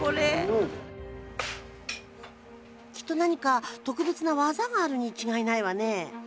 きっと何か特別な技があるに違いないわね？